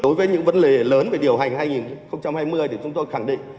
đối với những vấn đề lớn về điều hành hai nghìn hai mươi thì chúng tôi khẳng định